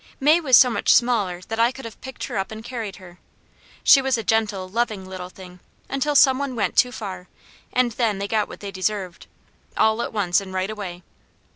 May was so much smaller that I could have picked her up and carried her. She was a gentle, loving little thing, until some one went too far, and then they got what they deserved, all at once and right away.